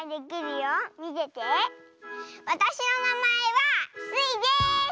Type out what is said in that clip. わたしのなまえはスイです！